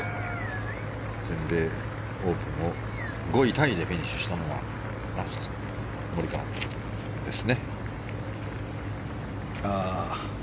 全米オープンを５位タイでフィニッシュしたのがモリカワです。